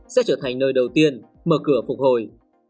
sẽ trở thành nơi đầu tiên mở cửa phục hồi